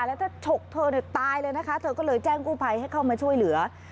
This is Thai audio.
แล้วถ้าฉกเธอตายเลยนะคะเธอก็เลยแจ้งกู้ภัยให้เข้ามาช่วยเหลือ